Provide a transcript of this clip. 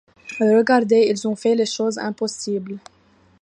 Regardez. Ils ont fait les choses impossibles.